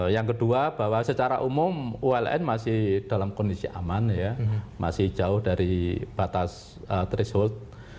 yang kedua bahwa secara umum uln masih dalam kondisi aman masih jauh dari batas threshold